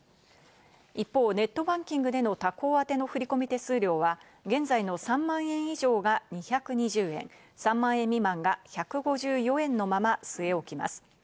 一方、ネットバンキングでの他行宛の振り込み手数料は現在の３万円以上が２２０円、３万円未満が１５４円のまま据え置きます。